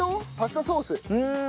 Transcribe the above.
うん！